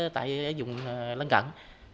tại vùng lân cận